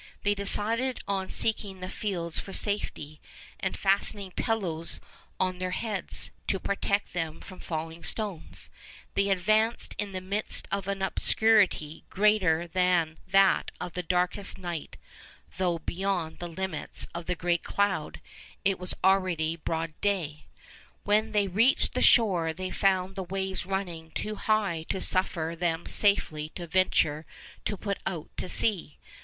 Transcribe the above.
They decided on seeking the fields for safety: and fastening pillows on their heads, to protect them from falling stones, they advanced in the midst of an obscurity greater than that of the darkest night though beyond the limits of the great cloud it was already broad day. When they reached the shore, they found the waves running too high to suffer them safely to venture to put out to sea.